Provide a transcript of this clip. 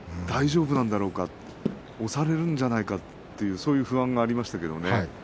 足の裏が大丈夫なんだろうか押されるんじゃないだろうかそういう不安がありました。